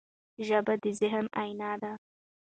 ژبه د ذهن آیینه ده.